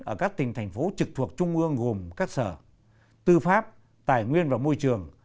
ở các tỉnh thành phố trực thuộc trung ương gồm các sở tư pháp tài nguyên và môi trường